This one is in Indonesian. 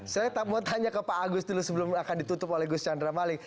saya mau tanya ke pak agus dulu sebelum akan ditutup oleh gus chandra mali